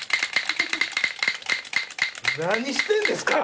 何してんですか？